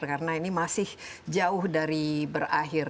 karena ini masih jauh dari berakhir